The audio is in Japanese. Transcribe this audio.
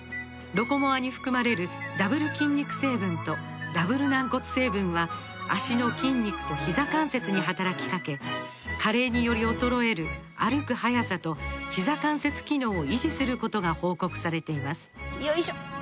「ロコモア」に含まれるダブル筋肉成分とダブル軟骨成分は脚の筋肉とひざ関節に働きかけ加齢により衰える歩く速さとひざ関節機能を維持することが報告されていますよいしょっ！